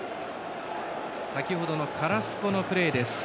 先ほどのカラスコのプレーです。